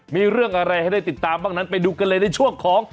มีเรื่องอะไรให้ได้ติดตามบ้างนั้นไปดูกันเลยในช่วงของ